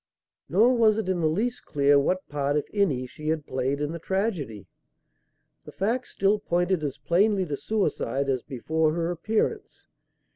Nor was it in the least clear what part, if any, she had played in the tragedy. The facts still pointed as plainly to suicide as before her appearance.